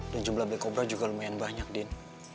dan jumlah black cobra juga lumayan banyak din